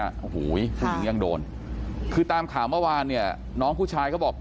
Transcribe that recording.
โอ้โหผู้หญิงยังโดนคือตามข่าวเมื่อวานเนี่ยน้องผู้ชายเขาบอก